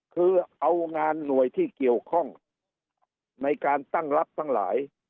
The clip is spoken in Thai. คือเอางานหน่วยที่เกี่ยวข้องในการตั้งรับทั้งหลาย